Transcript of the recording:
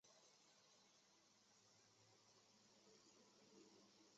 孙傅与何对此深信不疑。